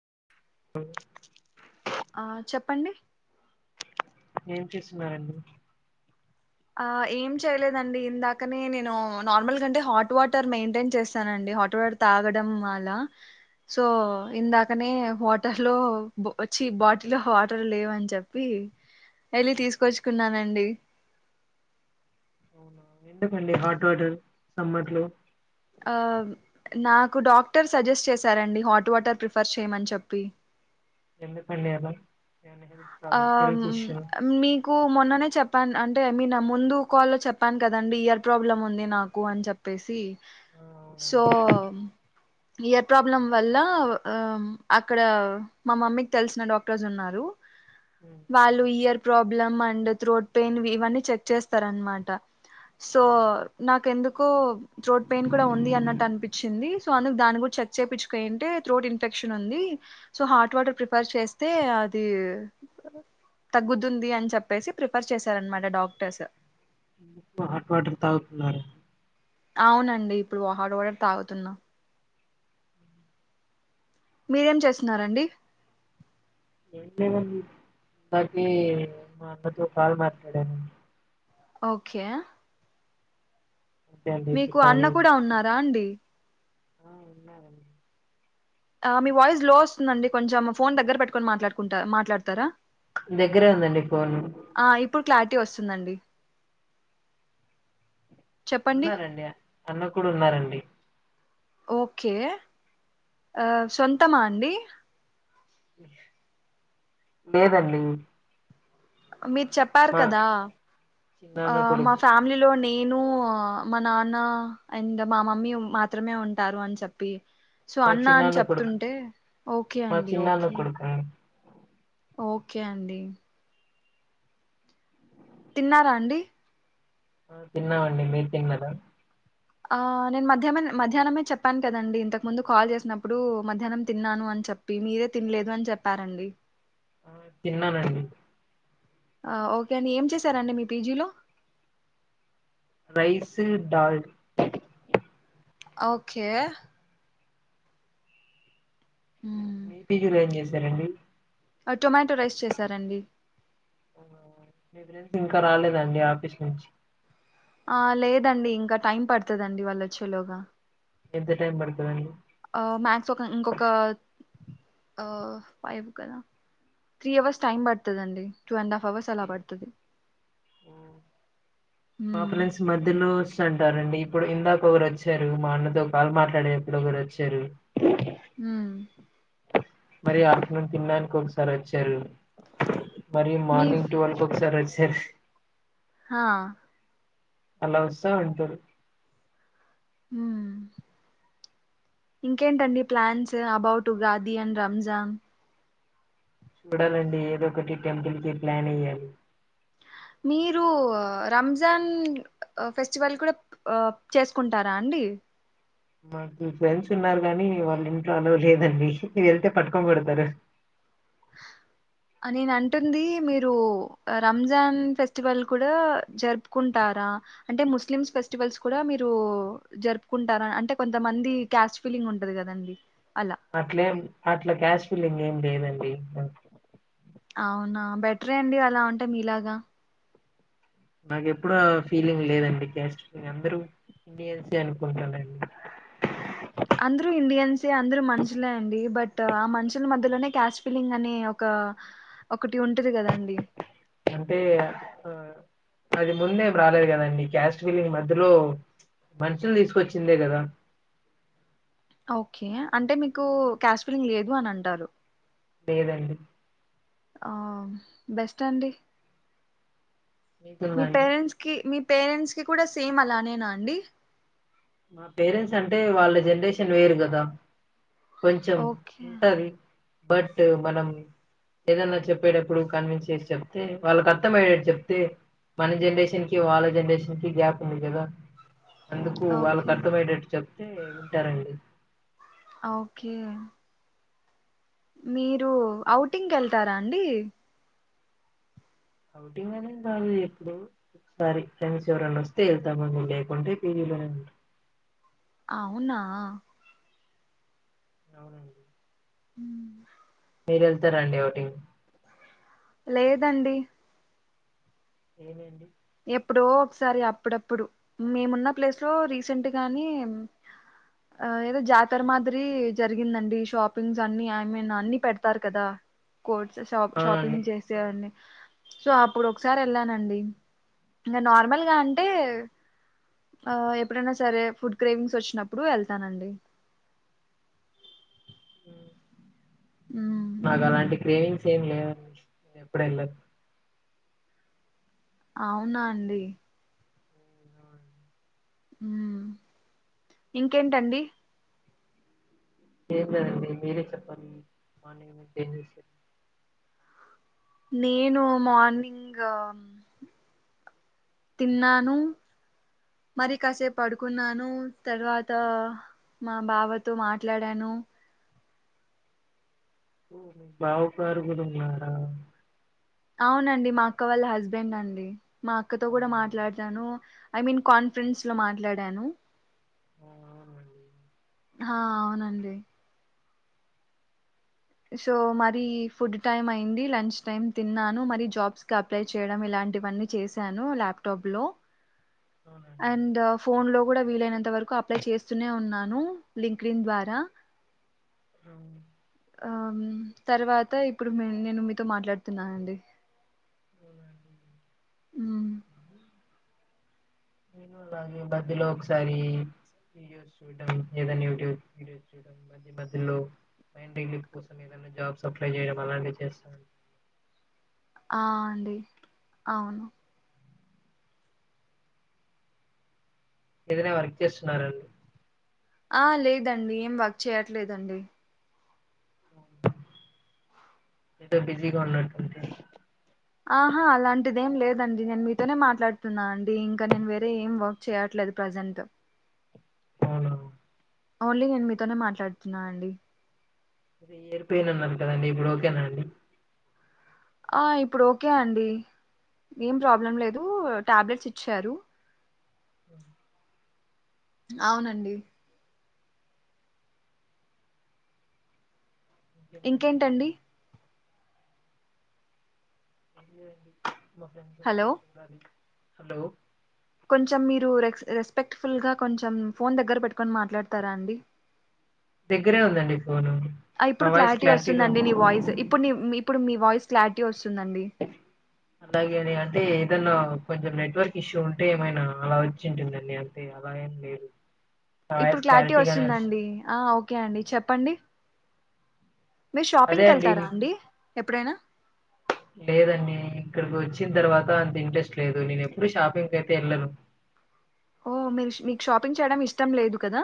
హ్మ్ ఆ చెప్పండి ఏం చేస్తున్నారండీ ఆ ఏం చేయలేదండి ఇందాకనే నేను నార్మల్ కంటే హాట్ వాటర్ మెయింటైన్ చేస్తానండి హాట్ వాటర్ తాగడం అల సో ఇందాకనే వాటర్లో వచ్చి బాటిలో వాటర్ లేవ అని చెప్పి వెళ్ళి తీసుకొచ్చుకున్నానండి అవునా ఎందుకండి హాట్ వాటర్ సమ్మర్ లో ఆ నాకు డాక్టర్ సజెస్ట్ చేశారండి హాట్ వాటర్ ప్రిఫర్ చేయమని చెప్పి ఎందుకండి అల ఆ మీకు మొన్ననే చెప్ చెప్పాను అంటే మీర్న మీకు ముందు కాల్లో చెప్పాను కదండి ఇయర్ ప్రాబ్లం ఉంది నాకు అని చెప్పేసి సో అవునండి ఇయర్ ప్రాబ్లం వల్ల ఆ అక్కడ మా మమ్మీకి తెలిసిన డాక్టర్స్ ఉన్నారు ఉమ్, వాళ్ళు ear problem and throat pain ఇవన్నీ చెక్ చేస్తారన్మాట సో ఆ, నాక ఎందుకో త్రోట్ పెయిన్ కూడా ఉంది అన్నట్టు అనిపించింది సో అందుకు దాన్ని కూడా చెక్ చేపిచ్చుకో ఏంటే త్రోట్ ఇన్ఫెక్షన్ ఉంది సో హాట్ వాటర్ ప్రిఫర్ చేస్తే అది తగ్గుతుంది అని చెప్పేసి ప్రిఫర్ చేశారన్మాట డాక్టర్స్ హాట్ వాటర్ తాగుతున్నారు అవునండి ఇప్పుడు హాడ్వాటర్ తాగుతున్నా మీరేం చేస్తున్నారండి ఏంలేదండి ఇందాకే మా అన్నతో కాల్ మాట్లాడాను ఓకే అంతే అండి మీకు ఇప్పుడు అన్న ఖాళీ కూడా ఉన్నారా అండి ఆ ఉన్నారండి ఆ మీ వాయిస్ లో వస్తుందండి కొంచం ఫోన్ దగ్గర పెట్టుకొని మాట్లాడ్ కుంటా మాట్లాడ్తారా దగ్గరే ఉందండి ఫోన్ ఆ ఇప్పుడ్‌ క్లారిటీ వస్తుందండి చెప్పండి ఉన్నారండి అన్న కూడా ఉన్నారండి ఓకే ఆ సొంతమా అండీ లేదండి మీరు చెప్పారు మా కదా ఆ చిన్నాన్న మా కొడుకు ఫ్యామిలీలోని నేను మా నాన్న అండ్ మా మమ్మీ మాత్రమే ఉంటారు అని చెప్పి సో మా అన్నా అని చిన్నాన్న కొడుకు చెప్తుంటే ఓకే మా అండి చిన్నాన్న ఓకే కొడుకు అండి. ఓకే అండి తిన్నారా అండి ఆ తిన్నామండి మీర్ తిన్నార ఆ నేను మధ్యామే మధ్యాహ్నమే చెప్పాను కదండి ఇంతకు ముందు కాల్ చేసినప్పుడు మధ్యాహ్నం తిన్నాను అని చెప్పి మీరే తినలేదు అని చెప్పారండి ఆ తిన్నానండి అఓకే అండి ఏం చేసారండి మీ పిజీలో రైస్ దాల్డ్ ఓకే హుమ్ మీపీ జి లొఏం చేసారండి టొమాటో రైస్ చేసారండి అవునా మీ ఫ్రెండ్స్ ఇంకా రాలేదండి ఆఫీస్ నుంచి ఆ లేదండి ఇంకా టైం పడతదండి వాళ్ళు వచ్చేలోగా ఎంత టైమ్ పడతదండి మ్యాథ్స్ ఒక ఇంకొక అఫైవ్ కదా త్రీ అవర్స్ టైం పడతదండి మాప్రైస్ మధ్యలో సం చెస్తారండి ఇప్పుడు ఇందాక ఒకరు వచ్చారు మా అన్నతో కాలు మాట్లాడే ఎప్పుడు ఒకరు వచ్చారు హ్ మరి ఆఫ్టర్నూన్ తిన్నానికి ఒకసారి వచ్చారు మరి మీ మార్నింగ్ ట్వల్ఒకసారి వొచ్చ సిర్ఫ హా అలా వస్తా ఉంటారు ఉఇంకేంటండి ప్లాన్స్ అబౌట్ ఉగాదిఅండ్ రంజాన్ చూడాలండి ఏదో ఒకటి టెంపుల్ కి ప్లాన్ ఎయ్యాలి మీరు రంజాన్ ఫెస్టివల్ కూడా చేసుకుంటారా అండి మాకు ఫ్రెండ్స్ ఉన్నారు కానీ వాళ్ళ ఇంట్లో అలొలేదండి వెళ్తే పట్టుకొని కొడతారు నేను అంటుంది మీరు రంజాన్ ఫెస్టివల్ కూడా జరుపుకుంటారా అంటే ముస్లిమ్స్ ఫెస్టివల్స్ కూడా మీరు జరుపుకుంటారా అంటే కొంతమంది క్యాస్ట్ ఫీలింగ్ ఉంటది కదండి అలా అట్లలే అట్లా క్యాస్ ఫిల్లింగ్ ఏం లేదండి ఉ అవునా బెటరే అండి అలా ఉంటెమీలాగా నాకు ఎప్పుడు అఫీలింగ్ లేదండి క్యాస్ట్. పీ లింగ్ అందరూ ఇండియన్స్అనుకుంటానండి అందరూ ఇండియన్సే అందరూ క్యాష్ ఫిలింగ్ అనే ఒక ఒకటి ఉంటది కదండి అంటే ఆ అది ముందే రాలేదు కదండి క్యాస్ట్విలింగ్ మధ్యలో మనుషులు తీసుకొచ్చిందే కదా ఓకే అంటే మీకు క్యా స్ట్ పీలింగ్ లేదు న అంటారు లేదండి ఆ బెస్ట్ అండి మీకుందా మీ అండి పేరెంట్స్ కి మీ పేరెంట్స్ కి కూడా సేమ్ అలానేనా అండి మా పేరెంట్స్ అంటే వాళ్ళ జనరేషన్ వేరు కదా కొంచెం ఓకే ఉంటది బట్ మనం ఏదన్నా చెప్పేటప్పుడు కన్విన్స్ చేసి చెప్తే వాళ్ళకి అర్థమయ్యేటట్టు చెప్తే మన జనరేషన్ కి వాళ్ళ జనరేషన్ కి గ్యాప్ ఉంది కదా వాళ్ళకు ఓకే అర్థమయ్యేటట్టు చెప్తే వింటారండి ఓకే మీరు అఔటింగ్కి వెళ్తారా అండి ఔటింగ్ గాని కాదు ఎపుడో ఒకసారి ఫ్రెండ్స్ఎవరన్నా వస్తే వెళ్తము లేకుంటే పజి లోనే ఉంటాం అవునా అవునండి హ్మ్మ్ మీరు వెళ్తారండి ఔటింగ్ లేదండి ఏమైంది ఎప్పుడో ఒకసారి అప్పుడప్పుడు మేమున్న ప్లేస్ లో రీసెంట్ గాని ఏదో జాతర మాదిరి జరిగిందండి షాపింగ్స్ అన్ని ఐమన్ అన్ని పెడతారు కదా కోర్ట్స్ షా ఆ అండి షాపింగ్ ఆ! చేసేవన్నీ సో అప్పుడు ఒకసారి వెళ్ళానండి ఇంకా నార్మల్గా అంటే ఎప్పుడైనా సరే ఫుడ్ క్రేవింగ్స్ వచ్చినప్పుడు వెళ్తానండి హ్మ్. ఉమ్ నాకు అలాంటి క్రేవంగ్ ఏం లేవండి ఎప్పుడు ఏళ్లను అవునా అండి హ్మ్. అవునండి. హ్మ్మ్ ఇంకేంటండి ఏమి లేదండి మీరే చెప్పాలి మార్నిగ్ నుండి ఏం చేసారో నేను మార్నింగ్ తిన్నాను మరి కాసేపు పడుకున్నాను తర్వాత మా బావతో మాట్లాడాను ఓ బావుకాడా ఉన్నారా అవునండి మా అక్క వాళ్ళ హస్బెండ్ అండి మా అక్కతో కూడా అవునా మాట్లాడతాను ఐ మీన్ కాన్ఫరెన్స్ లో మాట్లాడాను అవున అండి హా అవునండి సో మరి ఫుడ్ టైమ్ అయింది లంచ్ టైమ్ తిన్నాను మరి జాబ్స్ కి అప్లై చేయడం ఇలాంటివన్నీ చేశాను ల్యాప్టాప్ లో అవునండి అండ్ ఫోన్ లో కూడా వీలైనంత వరకు అప్లై చేస్తూనే ఉన్నాను లింక్ డిన్ ద్వారా అవున అం తర్వాత ఇప్పుడు నేను మీతో మాట్లాడుతున్నాన అండి నేను అలాగే మధ్యలో ఒకసారి వీడియో చూడడం ఏదన్నా యూట్యూబ్ వీడియో చూడడం మధ్య మధ్యలో మైండ్ రిలీఫ్ కోసం ఏదన్న జాబ్స్ అప్లై చేయడం అలానే చేస్తాను ఆ అండి అవును ఏదైనా వర్క్ చేస్తున్నారండి ఆ లేదండి ఏం వర్క్ చేయట్లేదండి ఐతే బిజీగా ఉన్నటు ఉంటే ఆహా అలాంటిది ఏం లేదండి నేను మీతోనే మాట్లాడుతున్నా అండి ఇంకా నేను వేరే ఏం వర్క్ చేయట్లేదు ప్రజెంట్ అవునా ఓన్లీ నేను మీతోనే మాట్లాడుతున్నా అండి ఇయర్ పెయిన్ ఉన్నది కాదండి ఇప్పుడు ఓకేనా అండి ఆ ఇప్పుడు ఓకే అండి ఏం ప్రాబ్లం లేదు టాబ్లెట్స్ ఇచ్చారు అవునండి ఇంకేంటండి అంతే అండి మా ఫ్రెండ్స్ వస్తే హలో చూడాలి హలో కొంచెం మీరు రెస్ రెస్పెక్ట్ఫుల్గా కొంచెం ఫోన్ దగ్గర పెట్టుకొని మాట్లాడతారా అండి దగ్గరే ఉందండి ఫోను నా ఇప్పుడు వాయిస్ క్లారిటీ క్లారిటీగా వస్తుందండి నీ వాయిస్ ఇప్పుడు నీ ఇప్పుడు మీ వాయిస్ క్లారిటీ వస్తు అలాగే అని అంటే ఏదన్నా కొంచెం నెట్వర్క్ ఇష్యూ ఉంటే ఏమైనా అలా వచ్చింటుందీ అంతే అలా ఎమ్ లేదు నా వాయిస్ ఇప్పుడు క్లారిటీ క్లారిటీగానే వస్తు వస్తుందండి ఆ ఓకే అండి చెప్పండి మీరు షాపింగ్‌కెళ్తారా అండి ఎప్పుడైనా లేదండి ఇక్కడికి వచ్చిన తర్వాత అంత ఇంట్రెస్ట్ లేదు నేను ఎప్పుడు షాపింగ్ క అయితే వెళ్ళను ఓ మీరు మీకు షాపింగ్ చేయడం ఇష్టం లేదు కదా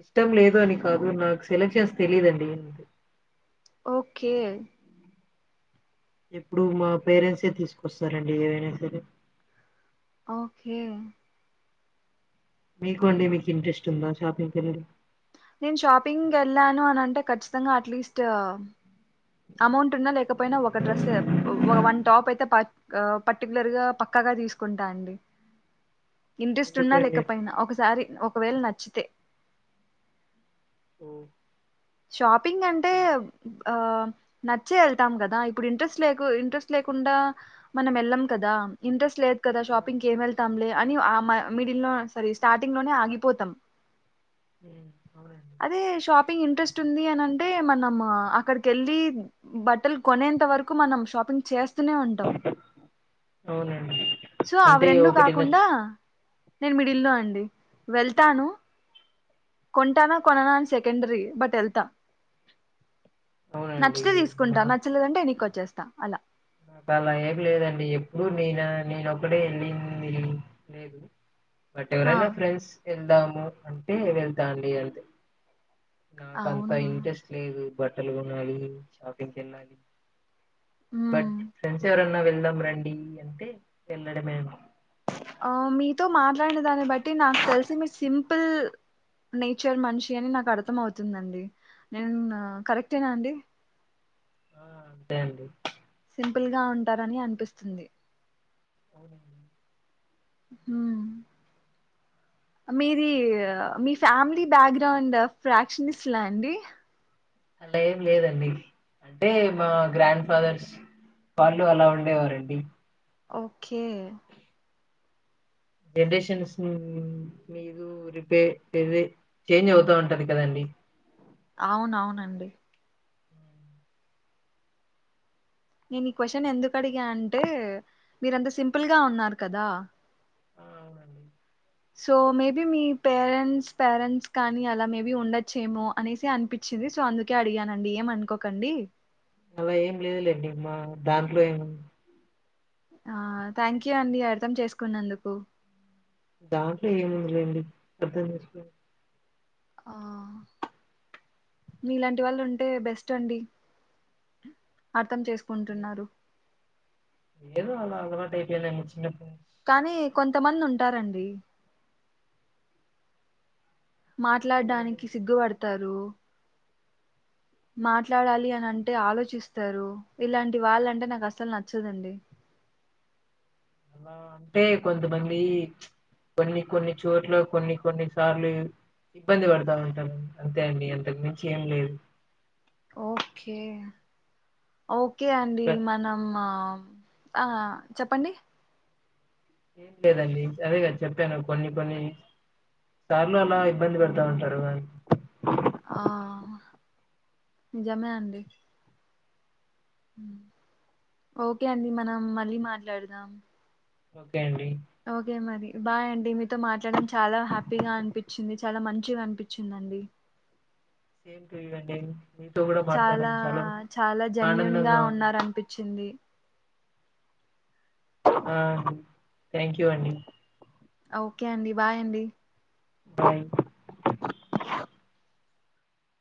ఇష్టం లేదు అని కాదు నాకు సెలక్షన్స్ తెలీదు అండి ఓకే ఎప్పుడు మా పేరెంట్సే తీసుకొస్తారండి ఏవైనా సరే ఓకే మీకు అండి మీకు ఇంట్రెస్ట్ ఉందా షాపింగ్కి వెళ్లడం నేను షాపింగ్ వెళ్ళాను అని అంటే ఖచ్చితంగా అట్లీస్ట్ అమౌంట్ ఉన్నా లేకపోయినా ఒక డ్రెస్ వన్ టాప్ అయితే ప పర్టికులర్గా పక్కాగా తీసుకుంటా అండి ఇంట్రెస్ట్ ఉన్నా ఎందుకండి లేకపోయినా ఒకసారి ఒకవేళ నచ్చితే ఉమ్ షాప్ ప్పింగ్ అంటే ఆ నచ్చే వెళ్తాం కదా ఇప్పుడు ఇంట్రెస్ట్ లేకు ఇంట్రెస్ట్ లేకుండా మనం వెళ్ళం కదా ఇంట్రెస్ట్ లే ఆ షాపింగ్‌కి ఏం వెళ్తాంలే అని ఆ మ మిడిల్ లో సారీ స్టార్టింగ్ లోనే ఆగిపోతాం ఉమ్ అవునండి అదే షాపింగ్ ఇంట్రెస్ట్ ది అనింటే మనం అక్కడిక వెళ్ళి బట్టలు కొనేంత వరకు మనం షాపింగ్ చేస్త స్తనే ఉంటాం అవునండి సో అవి అంటే రెండు ఒకటి నచ్చ కాకుండా నేను మిడిల్లో అండి వెళ్తాను కొంటానా కొన్నానా అని సెకండరీ బట్ వెత అవునండి నచ్చితే తీసుకుంటా నా నచ్చలేదంటే వెనక్కి వచ్చేస్తా చేస్తా అలా నాకు అలా ఏమి లేదండి ఎప్పుడు నేను నేనొక్కటే వెళ్ళింది లేదు బట్ ఆ ఎవరైనా ఫ్రెండ్స్‌ వెళ్దాం అంటే వెళ్తా అండి నాకంత అవునా ఇంట్రెస్ట్ లేదు బట్టలు కొనాలి షాపింగ్కి వెళ్ళాలి బట్ మ్మ్ ఫ్రెండ్స్ ఎవరన్నా వెళ్దాం రండి అంటే వెళ్ళడమే ఆ మీతో మాట్లాడిన దాన్ని బట్టి నాకు తెలిసి మీరు సి సిపుల్ నేచర్ మనిషి అని నాకు అర్థం అవుతుందండి నేను కరెక్టేనా అండి అదే అండి సింపుల్ గా ఉంటారని అనిపిస్తుంది అవునండి మ్మ్ మీది మీ ఫ్యామిలీ బ్యాక్ గ్రౌండ్ ఫ్రాక్స్ లిస్ట్ లా అండి అలా ఏం లేదండి అంటే మా గ్రాండ్ ఫాదర్స్ వాళ్ళు అలా ఉండేవారండి ఓ ఒకే జనరేషన్స్ ను మీదు రిపే చేంజ్ అవుతా ఉంటది కదండి అవునవునండి నేను ఈ క్వశ్చన్ ఎందుకు అడిగా అంటే మీరంత సింపుల్ గా ఉన్నారు కదా ఆ అవునండి సో మేబీ మీ పేరెంట్స్ పేరెంట్స్ కానీ అలా మేబీ ఉండొచ్చేమో అనేసి అనిపించింది సో అందుకే అడిగానండి ఏమనుకోకండి అలా ఏం లేదులేండి మా దాంట్లో ఏముంది ఆ థ్యాంక్ యూ అండి అర్థం చేసుకున్నందుకు దాంట్లో ఏముందిలేండి అర్ధంచేసుకునే ఆ మీలాంటి వాళ్ళు ఉంటే బెస్ట్ అండి అర్థం చేసుకుంటున్నారు ఏదో అలా అలవాటు అయిపోయింది అండి చిన్నప్పు కానీ కొంతమంది ఉంటారండి మాట్లాడ్డానికి ఏమండి సిగ్గుపడతారు మాట్లాడాలి అని అంటే ఆలోచిస్తారు ఇలాంటి వాళ్ళంటే నాకు అసలు నచ్చదండి. అలా అంటే కొంతమంది కొన్ని కొన్ని చోట్ల కొన్ని కొన్ని సార్లు ఇబ్బంది పడతా ఉంటాారు అంతే అండి అంతకు మించి ఏం లేదు ఓకే ఓ ఓకే అండి క- మనము ఆ చెప్పండి ఏం లేదండి అదే కద చెప్పాను కొన్ని కొన్ని సార్లు అలా ఇబ్బంది పెడతా ఉంటారు వాళ్ళు ఆ నిజమే అండి ఓకే అండి మనం మళ్ళీ మాట్లాడదాం ఓకే అండి ఓకే మరి బాయ్ అండి మీతో మాట్లాడడం చాలా హ్యాపీగా అనిపించింది చాలా మంచిగా అనిపించిందండి సేమ్ అండి మీతో కూడా మాట్లాడడం చాలా చాలా జెన్యుూన్ గా ఆనందంగా ఉంది ఉన్నారు అనిపించింది ఆ థ్యాంక్ యూ అండి ఓకే అండి బాయ్ అండి బాయ్